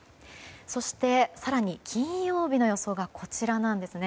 そして、更に金曜日の予想がこちらです。